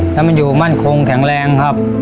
ถ้ามันอยู่มั่นคงแข็งแรงครับ